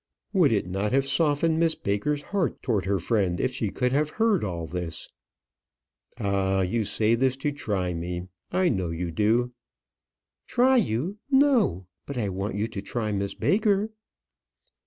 Would it not have softened Miss Baker's heart towards her friend if she could have heard all this? "Ah; you say this to try me. I know you do." "Try you! no; but I want you to try Miss Baker."